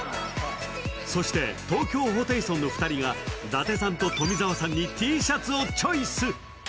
そして、東京ホテイソンの２人が、伊達さんと富澤さんにＴシャツをチョイス。